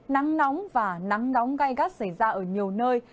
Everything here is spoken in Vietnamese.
nắng nóng và nắng nóng gai gắt xảy ra ở nhiều nơi